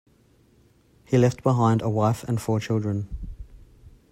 He left behind a wife and four children.